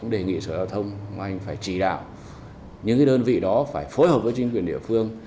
đề nghị sở hợp thông phải chỉ đạo những đơn vị đó phải phối hợp với chính quyền địa phương